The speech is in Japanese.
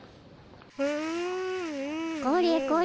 これこれ。